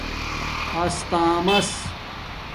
استݳمس